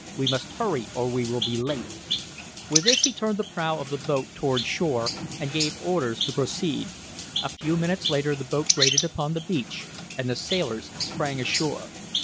We must hurry or we will be late." With this he turned the prow of the boat toward shore, and gave orders to proceed. A few minutes later the boat grated upon the beach and the sailors sprang ashore.